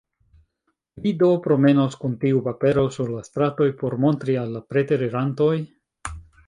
Vi do promenos kun tiu papero sur la stratoj por montri al la preterirantoj?